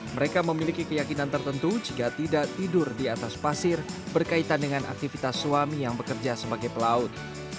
mereka memiliki keyakinan tertentu jika tidak tidur di atas pasir berkaitan dengan aktivitas suami yang bekerja sebagai pelaut